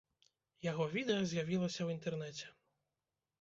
Яго відэа з'явілася ў інтэрнэце.